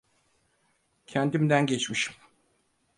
Kendimden geçmişim.